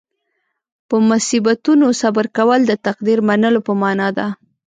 په مصیبتونو صبر کول د تقدیر منلو په معنې ده.